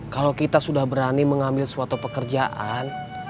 kalau kita sudah berani mengambil suatu pekerjaan